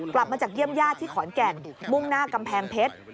กลับมาจากเยี่ยมญาติที่ขอนแก่นมุ่งหน้ากำแพงเพชร